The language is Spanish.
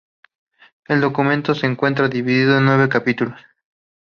El documento se encuentra divido en nueve capítulos.